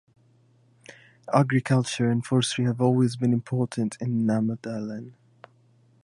Agriculture and forestry have always been important in Namdalen.